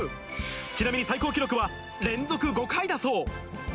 ちなみに最高記録は連続５回だそう。